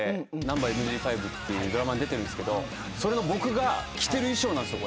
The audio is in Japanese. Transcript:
『ナンバＭＧ５』ってドラマに出てるんですけどそれの僕が着てる衣装です。